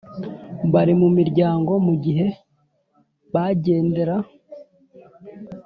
bari mu miryango mu gihe bagendera